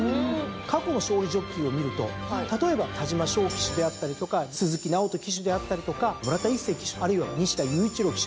過去の勝利ジョッキーを見ると例えば田嶋翔騎手であったりとか鈴来直人騎手であったりとか村田一誠騎手あるいは西田雄一郎騎手。